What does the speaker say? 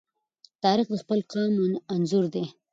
تاریخ د خپل قام انځور دی.